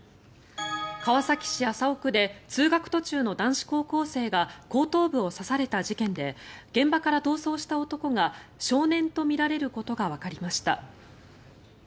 川崎市麻生区で通学途中の男子高校生が後頭部を刺された事件で現場から逃走した男が少年とみられることがわかりました。